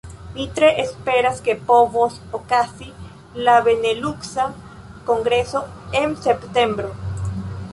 Mi tre esperas ke povos okazi la Beneluksa Kongreso en septembro.